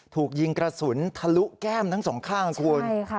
ถูกยิงกระสุนทะลุแก้มทั้งสองข้างคุณ